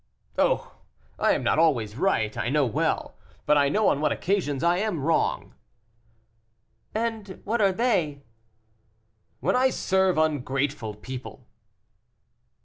"Oh! I am not always right, I know well, but I know on what occasions I am wrong." "And what are they?" "When I serve ungrateful people."